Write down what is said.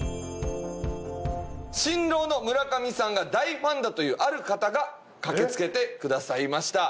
新郎の村上さんが大ファンだというある方が駆けつけてくださいました。